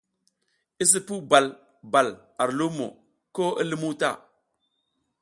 I sipuw bal bal ar lumo ko i lumuw ta.